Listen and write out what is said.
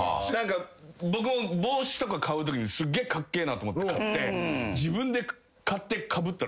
僕も帽子とか買うときにすげえかっけぇなと思って買って。